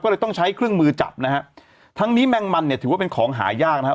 ก็เลยต้องใช้เครื่องมือจับนะฮะทั้งนี้แมงมันเนี่ยถือว่าเป็นของหายากนะครับ